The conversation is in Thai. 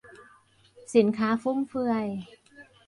สินค้าฟุ่มเฟือย